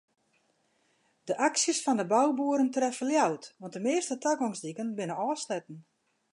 De aksjes fan de bouboeren treffe Ljouwert want de measte tagongsdiken binne ôfsletten.